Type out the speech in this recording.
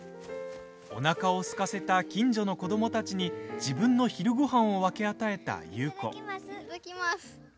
おなかをすかせた近所の子どもたちに自分の昼ごはんを分け与えた優子。